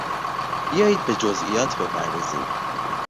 بیایید به جزئیات بپردازیم!